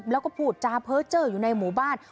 แล้วก็พูดจาเพ้อเจอร์อยู่ในหมู่บ้าน